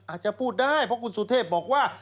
อาจจะพูดได้เพราะคุณสุเทพบอกว่า